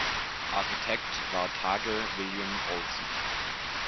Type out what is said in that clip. Architekt war Tage William-Olsson.